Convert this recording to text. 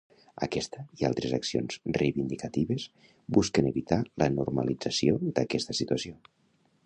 Aquesta i altres accions reivindicatives busquen evitar la normalització d'aquesta situació.